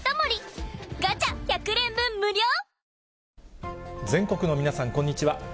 「颯」全国の皆さん、こんにちは。